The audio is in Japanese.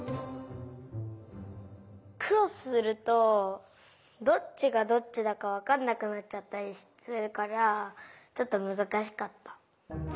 クロスするとどっちがどっちだかわかんなくなっちゃったりするからちょっとむずかしかった。